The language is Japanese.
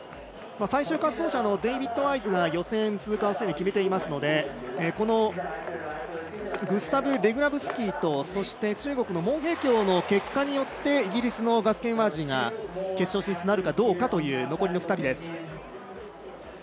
最終滑走者のデイビッド・ワイズが予選通過をすでに決めていますのでグスタブ・レグナブスキーと中国の毛秉強の結果によってイギリスのガス・ケンワージーが決勝進出なるかという残りの２人です。